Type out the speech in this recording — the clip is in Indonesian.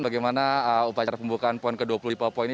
bagaimana upacara pembukaan pon ke dua puluh di papua ini